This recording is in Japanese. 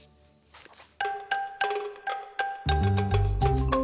どうぞ。